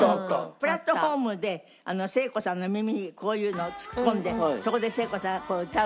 プラットホームで聖子さんが耳にこういうのを突っ込んでそこで聖子さんがこう歌うでしょ？